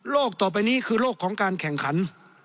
ต่อไปนี้คือโลกของการแข่งขัน